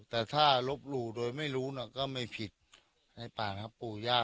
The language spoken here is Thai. แต่ถ้าลบหลู่โดยไม่รู้น่ะก็ไม่ผิดในป่านะครับปู่ย่า